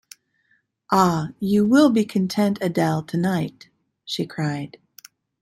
"Ah, you will be content, Adele, tonight," she cried.